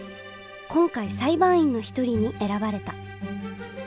今回裁判員の一人に選ばれた。